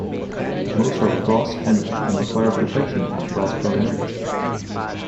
Most are frost-tender and require protection in frost-prone areas.